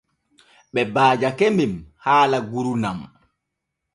Ɓe baajake men haala gurnan.